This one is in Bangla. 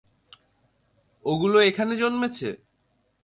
ওগুলো এখানে জন্মেছে?